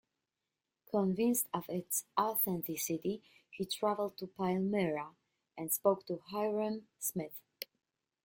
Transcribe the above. Convinced of its authenticity, he traveled to Palmyra, and spoke to Hyrum Smith.